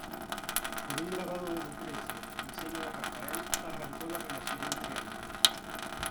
Con un grabado de "Lucrecia", diseño de Rafael, arrancó la relación entre ambos.